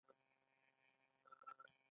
علم د اخلاقو له زدهکړې سره بشپړېږي.